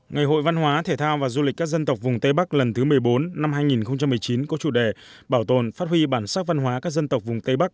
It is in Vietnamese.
ngày hội văn hóa thể thao và du lịch các dân tộc vùng tây bắc lần thứ một mươi bốn năm hai nghìn một mươi chín có chủ đề bảo tồn phát huy bản sắc văn hóa các dân tộc vùng tây bắc